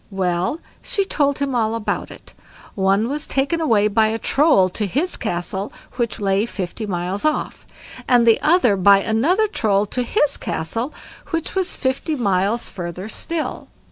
Well, she told him all about it; one was taken away by a Troll to his Castle which lay fifty miles off, and the other by another Troll to his Castle which was fifty miles further still.